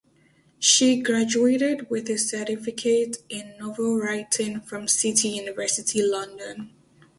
She graduated with a Certificate in Novel Writing from City University, London.